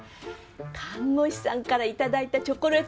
看護師さんから頂いたチョコレート